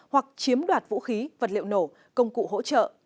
hoặc chiếm đoạt vũ khí vật liệu nổ công cụ hỗ trợ